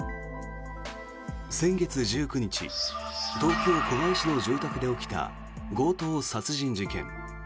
先月１９日東京・狛江市の住宅で起きた強盗殺人事件。